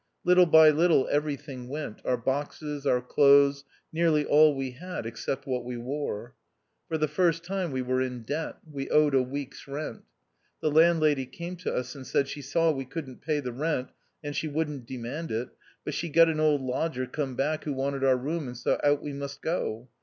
Little by little every thing went — our boxes, our clothes — nearly all we had except what we w T ore. For the first time we were in debt; we owed a week's rent. The landlady came to us, and said " she saw we couldn't pay the rent, and she wouldn't demand it. But she'd got an old lodger come back who wanted our room, and so out we must go.